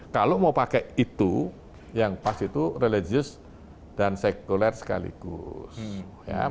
kalau mau pakai itu yang pas itu religius dan sekuler sekaligus